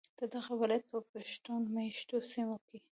ددغه ولایت په پښتون میشتو سیمو کې